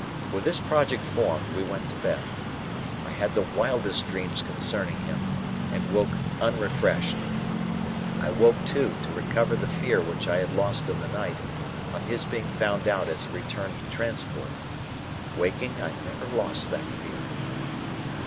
With this project formed, we went to bed. I had the wildest dreams concerning him, and woke unrefreshed; I woke, too, to recover the fear which I had lost in the night, of his being found out as a returned transport. Waking, I never lost that fear.